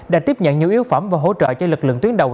đã tiếp nhận nhiều yếu phẩm và hỗ trợ cho lực lượng tuyến đầu